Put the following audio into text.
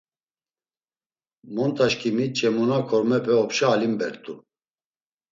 “Montaşǩimi Ç̌emuna kormepe opşa alimbert̆u.”